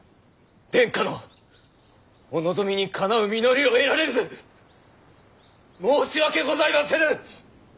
殿下のお望みにかなう実りを得られず申し訳ございませぬ！